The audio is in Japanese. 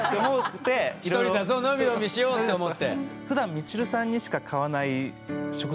１人だぞのびのびしようと思って。